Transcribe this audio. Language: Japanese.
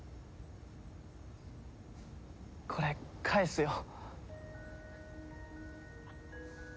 これ返すよ。